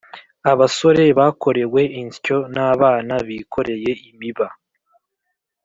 Abasore bakorewe insyo n’ abana bikoreye imiba